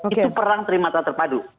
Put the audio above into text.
itu perang terima tanpa terpadu